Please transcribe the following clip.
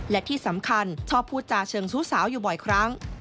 และที่สำคัญชอบพูดจาเชิงชู้สาวอยู่บ่อยครั้ง